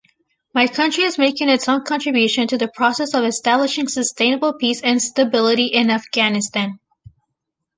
My country is making its own contribution to the process of establishing sustainable peace and stability in Afghanistan.